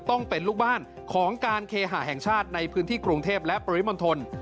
ต้องเป็นลูกบ้านของการเคหาแห่งชาติในพื้นที่กรุงเทพและปริมณฑล